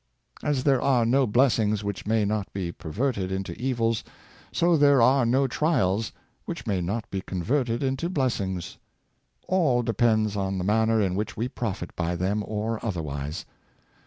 As there are no blessings which may not be per verted into evils, so there are no trials which may not be converted into blessings. All depends on the man ner in which we profit by them or otherwise.